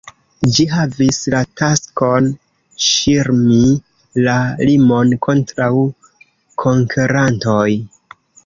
Ĝi havis la taskon ŝirmi la limon kontraŭ konkerantoj.